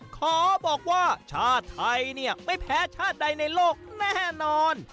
ขอบอกว่าชาติไทยเนี่ยไม่แพ้ชาติใดในโลกแน่นอน